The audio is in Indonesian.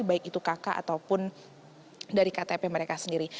baik itu kk ataupun dari ktp mereka sendiri